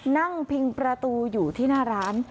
นั่งพิงประตูอยู่ที่หน้าร้าน